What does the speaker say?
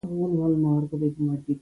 مور یې ناره پر وکړه.